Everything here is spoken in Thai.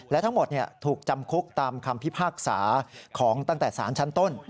และทั้งหมดถูกจำคุกตามคำพิพากษาของตั้งแต่สารชั้นต้น